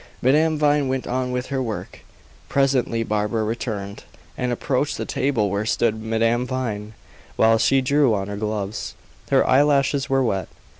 Madame Vine went on with her work. Presently Barbara returned, and approached the table where stood Madame Vine, while she drew on her gloves. Her eyelashes were wet.